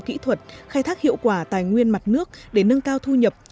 kỹ thuật khai thác hiệu quả tài nguyên mặt nước để nâng cao thu nhập